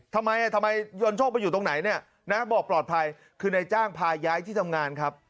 ทำไมทำไมยนโชคไปอยู่ตรงไหนเนี่ยนะบอกปลอดภัยคือนายจ้างพาย้ายที่ทำงานครับ